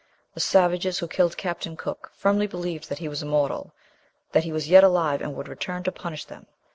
The savages who killed Captain Cook firmly believed that he was immortal, that he was yet alive, and would return to punish them.